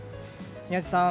宮司さん